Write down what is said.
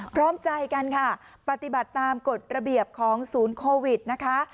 พร้อมใจกันค่ะปฏิบัติตามกฎระเบียบของศูนย์โควิดนะคะ